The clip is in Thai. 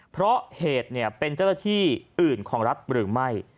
เพราะเหตุเป็นเจ้าหน้าที่อื่นของรัฐหรือไม่